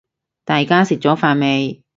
大家食咗飯未